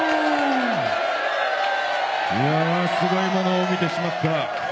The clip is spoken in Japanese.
いやすごいものを見てしまった。